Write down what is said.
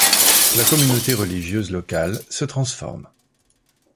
La communauté religieuse locale se transforme.